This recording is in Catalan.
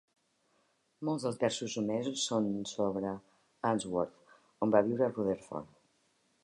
Molts dels versos omesos són sobre Anwoth, on va viure Rutherford.